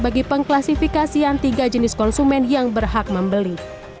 bagi pengklasifikasian tiga jenis konsumen yang berhak membeli